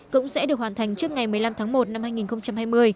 cũng sẽ được hoàn thành trước ngày một mươi năm tháng một năm hai nghìn hai mươi